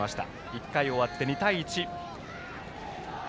１回終わって２対１。